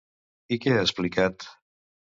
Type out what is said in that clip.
I què ha explicat?